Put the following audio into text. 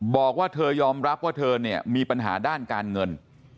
บอกว่าเธอยอมรับว่าเธอเนี่ยมีปัญหาด้านการเงิน